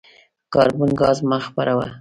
کاربن ګاز مه خپروه.